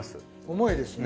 重いですね。